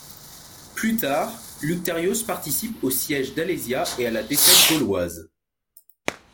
Plus tard, Lucterios participe au siège d'Alésia et à la défaite gauloise.